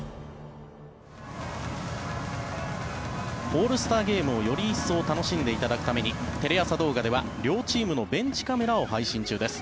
オールスターゲームをより一層楽しんでいただくためにテレ朝動画では両チームのベンチカメラを配信中です。